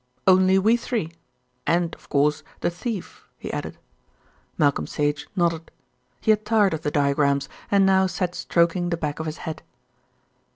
"Only we three; and, of course, the thief," he added. Malcolm Sage nodded. He had tired of the diagrams, and now sat stroking the back of his head.